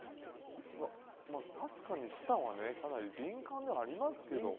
確かに舌は敏感ではありますけど。